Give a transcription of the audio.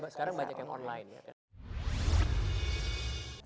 sekarang banyak yang online